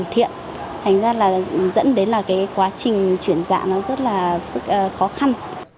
thành ra dẫn đến quá trình chuyển dạng rất là khó khăn